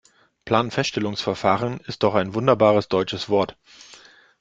Planfeststellungsverfahren ist doch ein wunderbares deutsches Wort.